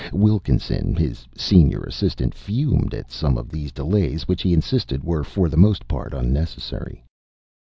Wilkinson, his senior assistant, fumed at some of these delays, which, he insisted, were for the most part unnecessary.